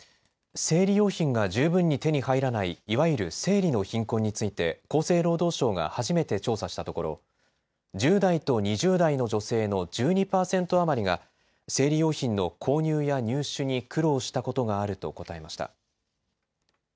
生理用品が十分に手に入らない、いわゆる生理の貧困について厚生労働省が初めて調査したところ、１０代と２０代の女性の１２％余りが、生理用品の購入や入手に苦労したことがあると答えました。